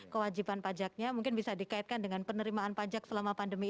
kewajiban pajaknya mungkin bisa dikaitkan dengan penerimaan pajak selama pandemi